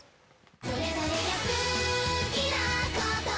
「それぞれが好きなことで」